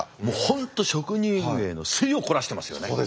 もう本当職人芸の粋を凝らしてますよね。